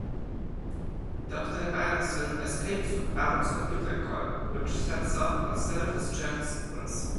Doctor Aaronson escapes with Adam's computer core, which sets off a self-destruct sequence.